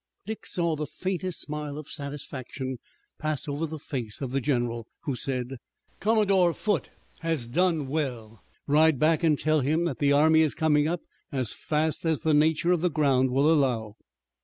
Dick saw the faintest smile of satisfaction pass over the face of the General, who said: "Commodore Foote has done well. Ride back and tell him that the army is coming up as fast as the nature of the ground will allow."